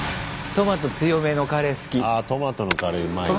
トマトのカレーうまいよな。